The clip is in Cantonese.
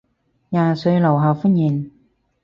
廿歲樓下歡迎